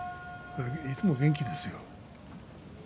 いつも元気ですよ。